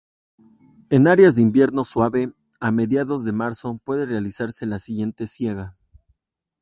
En áreas de invierno suave, a mediados de marzo puede realizarse la siguiente siega.